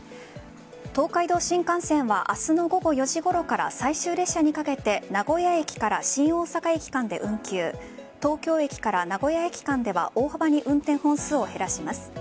東海道新幹線は明日の午後４時ごろから最終列車にかけて名古屋駅から新大阪駅間で運休東京駅から名古屋駅間では大幅に運転本数を減らします。